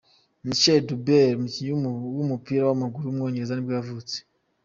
Michael Duberry, umukinnyi w’umupira w’amaguru w’umwongereza nibwo yavutse.